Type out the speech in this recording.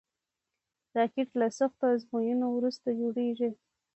راکټ له سختو ازموینو وروسته جوړېږي